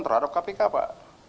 terhadap kpk pak